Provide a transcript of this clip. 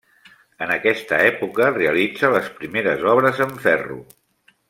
En aquesta època realitza les primeres obres en ferro.